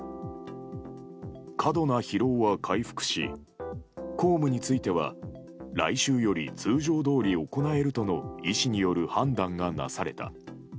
過度な疲労は回復し公務については来週より通常どおり行えるとの医師による判断がなされた。